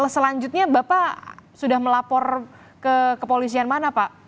selanjutnya bapak sudah melapor ke kepolisian mana pak